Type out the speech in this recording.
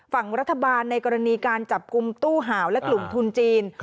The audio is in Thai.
ฝั่งรัฐบาลในกรณีการจับกลุ่มตู้หาวและกลุ่มทุนจีน